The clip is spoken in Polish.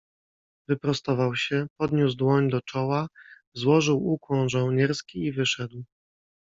"Wyprostował się, podniósł dłoń do czoła, złożył ukłon żołnierski i wyszedł."